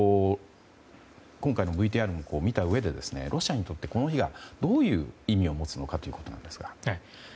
今回のＶＴＲを見たうえで、ロシアにとってこの日がどういう意味を持つのかということなんですが。